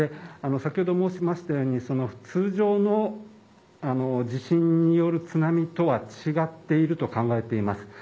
先ほど申しましたように通常の地震による津波とは違っていると考えています。